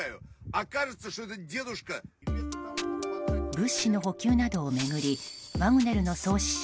物資の補給などを巡りワグネルの創始者